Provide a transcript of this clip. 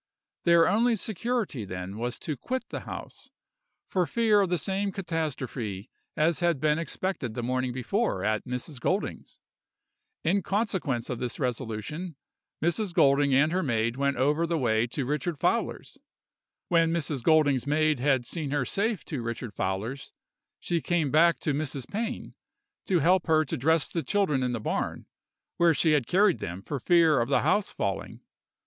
Their only security then was to quit the house, for fear of the same catastrophe as had been expected the morning before at Mrs. Golding's. In consequence of this resolution, Mrs. Golding and her maid went over the way to Richard Fowler's. When Mrs. Golding's maid had seen her safe to Richard Fowler's, she came back to Mrs. Pain, to help her to dress the children in the barn, where she had carried them for fear of the house falling.